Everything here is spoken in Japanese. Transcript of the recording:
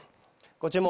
ご注文